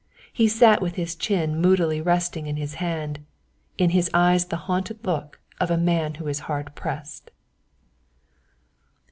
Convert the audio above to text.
He sat with his chin moodily resting in his hand, in his eyes the haunted look of a man who is hard pressed.